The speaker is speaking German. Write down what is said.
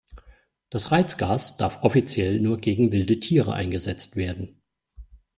Das Reizgas darf offiziell nur gegen wilde Tiere eingesetzt werden.